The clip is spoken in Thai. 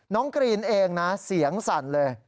กรีนเองนะเสียงสั่นเลย